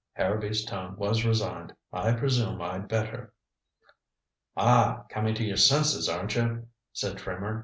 Harrowby's tone was resigned. "I presume I'd better." "Ah coming to your senses, aren't you?" said Trimmer.